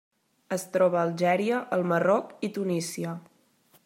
Es troba a Algèria, el Marroc i Tunísia.